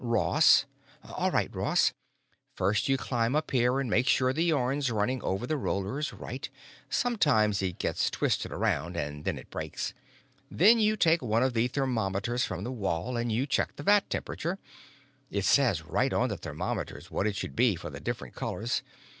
"Ross." "All right, Ross. First you climb up here and make sure the yarn's running over the rollers right; sometimes it gets twisted around and then it breaks. Then you take one of the thermometers from the wall and you check the vat temperature. It says right on the thermometers what it should be for the different colors.